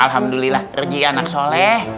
alhamdulillah regi anak soleh